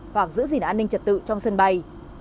hoặc giữ gìn an ninh trật tự trong sân bay